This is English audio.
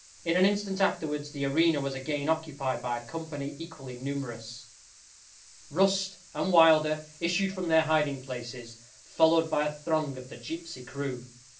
In an instant afterwards the arena was again occupied by a company equally numerous. Rust and Wilder issued from their hiding places, followed by a throng of the gipsy crew.